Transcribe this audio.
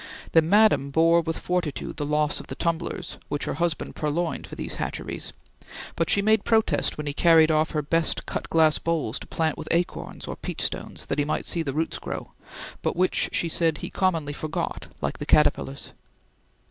The Madam bore with fortitude the loss of the tumblers which her husband purloined for these hatcheries; but she made protest when he carried off her best cut glass bowls to plant with acorns or peachstones that he might see the roots grow, but which, she said, he commonly forgot like the caterpillars.